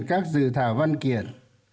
các dự thảo văn kiện